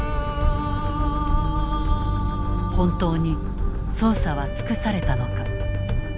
本当に捜査は尽くされたのか。